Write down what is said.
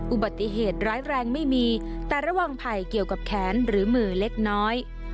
อุบัติเหตุร้ายแรงไม่มีแต่ระวังไผ่เกี่ยวกับแขนหรือมือเล็กน้อย